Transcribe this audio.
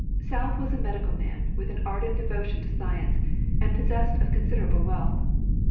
South was a medical man with an ardent devotion to science, and possessed of considerable wealth.